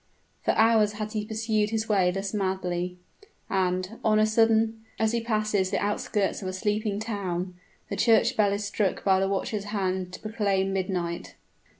For hours has he pursued his way thus madly; and, on a sudden, as he passes the outskirts of a sleeping town, the church bell is struck by the watcher's hand to proclaim midnight.